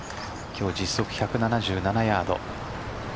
今日、実測１７７ヤード。